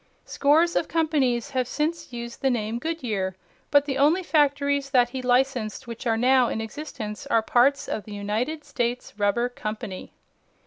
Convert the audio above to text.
Scores of companies have since used the name Goodyear, but the only factories that he licensed which are now in existence are parts of the United States Rubber Company.